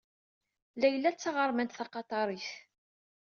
Layla d taɣermant taqaṭarit.